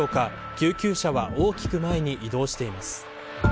救急車は大きく前に移動しています。